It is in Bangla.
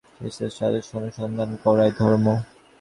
সে জানে, সে-আদর্শ আছে এবং সেই শ্রেষ্ঠ আদর্শের অনুসন্ধান করাই ধর্ম।